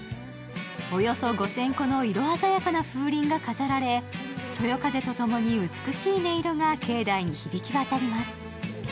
およそ５０００個の色鮮やかな風鈴が飾られ、そよ風と共に美しい音色が境内に響き渡ります。